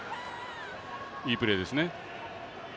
いいプレーですね。